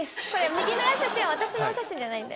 右の写真私の写真じゃないんで。